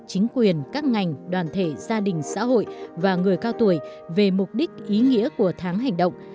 chính quyền các ngành đoàn thể gia đình xã hội và người cao tuổi về mục đích ý nghĩa của tháng hành động